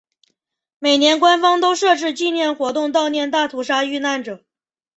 每年官方都设置纪念活动悼念大屠杀遇难者。